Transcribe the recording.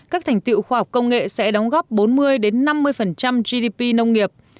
các thành tiệu khoa học công nghệ sẽ đóng góp bốn mươi năm mươi gdp nông nghiệp